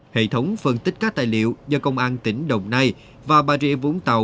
hệ thống phân tích các tài liệu do công an tỉnh đồng nai và bà rịa vũng tàu